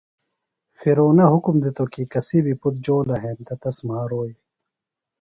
فرعونہ حُکم دِتوۡ کی کسی بیۡ پُتر جولوۡ ہینتہ تس مھاروئی۔